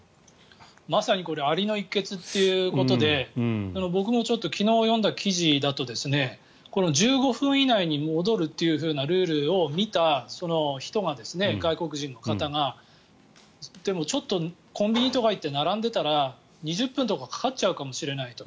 まさにこれ蟻の一穴ということで僕も昨日読んだ記事だと１５分以内に戻るというルールを見た人が外国人の方がちょっとコンビニとか行って並んでたら２０分とかかかっちゃうかもしれないと。